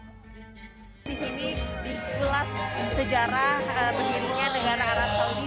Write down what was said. disini diulas sejarah berdirinya negara arab saudi